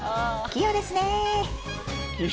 器用ですねえ。